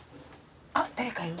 あっ誰かいる。